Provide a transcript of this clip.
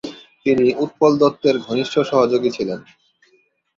তিনি উৎপল দত্তের ঘনিষ্ঠ সহযোগী ছিলেন।